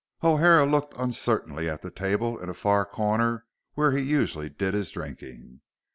O'Hara looked uncertainly at the table in a far corner where he usually did his drinking.